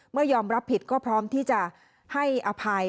ยอมรับผิดก็พร้อมที่จะให้อภัย